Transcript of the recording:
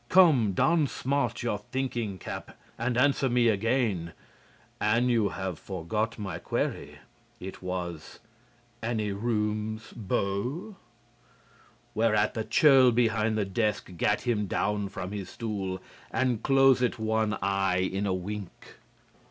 Come, don smart your thinking cap and answer me again. An' you have forgot my query; it was: 'Any rooms, bo?'" Whereat the churl behind the desk gat him down from his stool and closed one eye in a wink.